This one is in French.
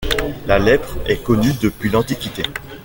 La lèpre est connue depuis l’Antiquité.